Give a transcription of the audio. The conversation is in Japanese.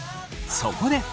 そこで。